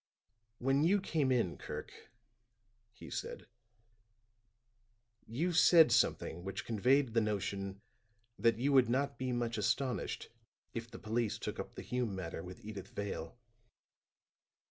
"When you came in, Kirk," he said, "you said something which conveyed the notion that you would not be much astonished if the police took up the Hume matter with Edyth Vale."